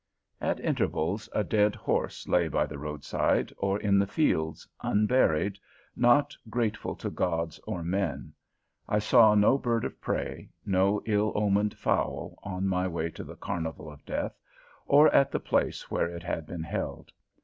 At intervals, a dead horse lay by the roadside, or in the fields, unburied, not grateful to gods or men. I saw no bird of prey, no ill omened fowl, on my way to the carnival of death, or at the place where it had been held.